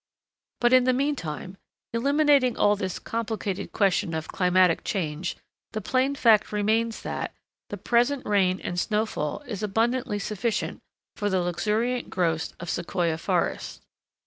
But in the mean time, eliminating all this complicated question of climatic change, the plain fact remains that the present rain and snow fall is abundantly sufficient for the luxuriant growth of Sequoia forests.